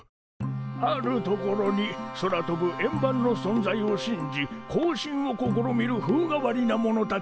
「あるところに空飛ぶ円盤の存在を信じ交信を試みる風変わりな者たちがいた。